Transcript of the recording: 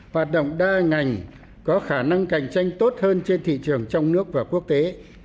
hoạt động đa ngành có khả năng cạnh tranh tốt hơn trên thị trường trong nước và quốc tế